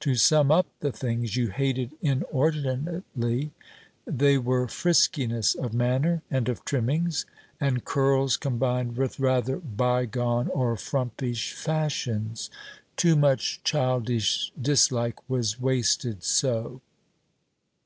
To sum up the things you hated inordinately, they were friskiness of manner and of trimmings, and curls combined with rather bygone or frumpish fashions. Too much childish dislike was wasted so.